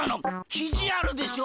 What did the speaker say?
ひじあるでしょ？